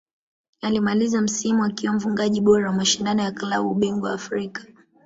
Alimaliza msimu akiwa mfungaji bora wa mashindano ya klabu bingwa Afrika